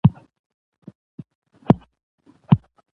ترکیب د ژبي قانون تعقیبوي.